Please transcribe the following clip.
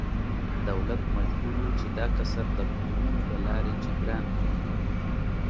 دولت مجبور و چې دا کسر د پورونو له لارې جبران کړي.